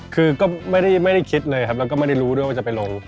คือก็ไม่ได้คิดเลยครับแล้วก็ไม่ได้รู้ด้วยว่าจะไปลง